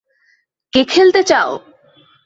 কে খেলতে চাও!